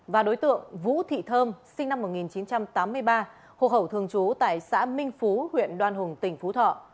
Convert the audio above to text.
và đối tượng vũ thị thơm sinh năm một nghìn chín trăm tám mươi ba hộ khẩu thường trú tại xã minh phú huyện đoan hùng tỉnh phú thọ